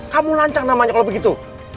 kamu lancang namanya kalau begitu